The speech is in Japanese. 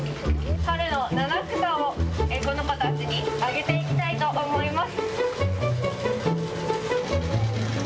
春の七草をこの子たちにあげていきたいと思います。